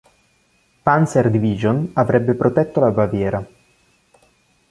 Panzer-Division avrebbe protetto la Baviera.